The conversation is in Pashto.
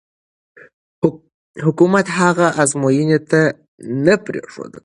حکومت هغه ازموینې ته نه پرېښود.